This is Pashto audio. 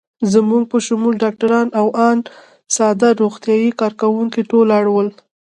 زموږ په شمول ډاکټران او آن ساده روغتیايي کارکوونکي ټول اړ ول.